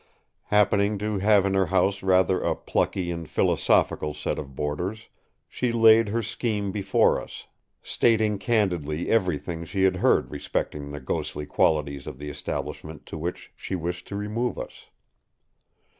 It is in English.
Happening to have in her house rather a plucky and philosophical set of boarders, she laid her scheme before us, stating candidly everything she had heard respecting the ghostly qualities of the establishment to which she wished to remove us.